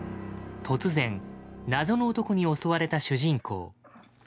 突然謎の男に襲われた主人公。